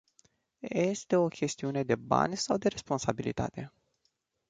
Este o chestiune de bani sau de responsabilitate?